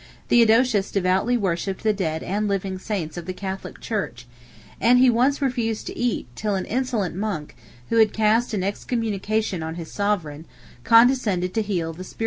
Theodosius devoutly worshipped the dead and living saints of the Catholic church; and he once refused to eat, till an insolent monk, who had cast an excommunication on his sovereign, condescended to heal the spiritual wound which he had inflicted.